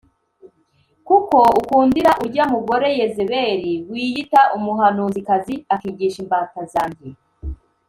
kuko ukundira urya mugore Yezebeli wiyita umuhanuzikazi akigisha imbata zanjye,